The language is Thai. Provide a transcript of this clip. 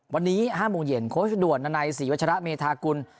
วันนี้๕โมงเย็นโค้ชด่วนนัยศรีวัชระเมธากุล